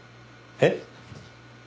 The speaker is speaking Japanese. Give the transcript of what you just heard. えっ？